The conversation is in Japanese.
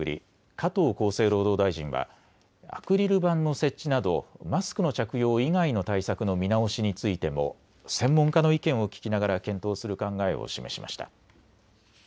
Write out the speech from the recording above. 加藤厚生労働大臣はアクリル板の設置などマスクの着用以外の対策の見直しについても専門家の意見を聞きながら検討する考えを示しました。